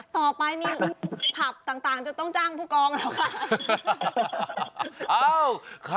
ต่อไปนี่ผับต่างจะต้องจ้างผู้กองแล้วค่ะ